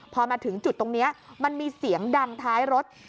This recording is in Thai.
พอมาถึงจุดตรงนี้มันมีเสียงดังท้ายรถ